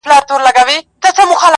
پاچهي د ځناورو وه په غرو کي-